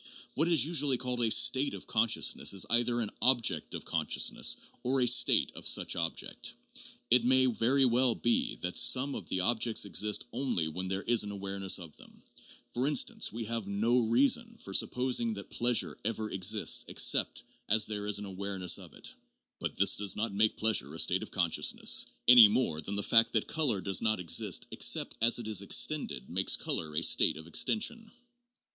What is usually called a state of conscious ness is either an object of consciousness or a state of such object. It may very well be that some of these objects exist only when there is an awareness of them; for instance, we have no reason for sup posing that pleasure ever exists except as there is an awareness of it. But this does not make pleasure a state of consciousness, any more than the fact that color does not exist except as it is extended makes color a state of extension.